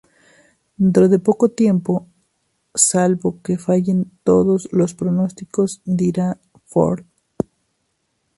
Dentro de poco tiempo, salvo que fallen todos los pronósticos, dirá: ‘¿Ford?